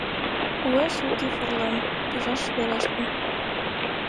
Уэш Никифорлан пижаш верештын.